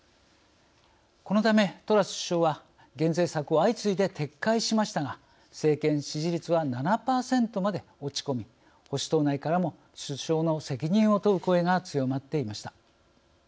このためトラス首相は減税策を相次いで撤回しましたが政権支持率は７％まで落ち込み保守党内からも首相の責任を問う声が強まっていました。